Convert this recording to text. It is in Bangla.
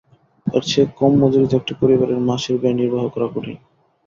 এর চেয়ে কম মজুরিতে একটি পরিবারের মাসের ব্যয় নির্বাহ করা কঠিন।